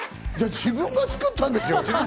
自分が作ったんでしょう？